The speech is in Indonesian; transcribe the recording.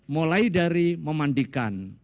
mulai dari memandikan